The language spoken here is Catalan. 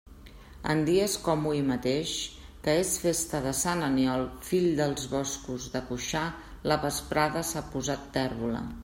En dies com hui mateix, que és festa de sant Aniol, fill dels boscos de Cuixà, la vesprada s'ha posat térbola.